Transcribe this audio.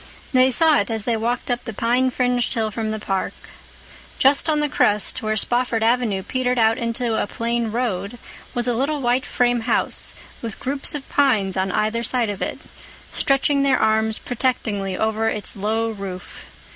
They saw it as they walked up the pine fringed hill from the park. Just on the crest, where Spofford Avenue petered out into a plain road, was a little white frame house with groups of pines on either side of it, stretching their arms protectingly over its low roof.